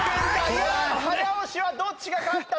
いや早押しはどっちが勝った？